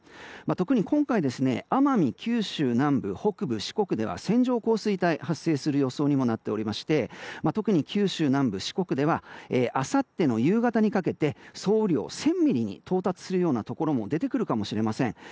特に今回奄美、九州南部・北部、四国では線状降水帯が発生する予想にもなっていて特に九州南部、四国ではあさっての夕方にかけて総雨量１０００ミリに到達するところも出てくるかもしれません。